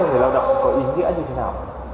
việc thưởng tết cho người lao động có ý nghĩa